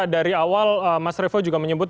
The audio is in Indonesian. dari awal mas revo juga menyebut